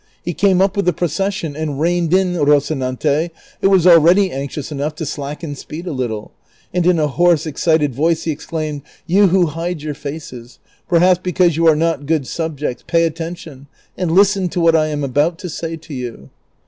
He came up with the procession and reined in Eociuante, who was already anxious enough to slacken speed a little, and in a hoarse, excited voice he exclaimed, '' You who hide your faces, perhaps because yoii are not good subjects, pay attention and listen to what I am about to say to you."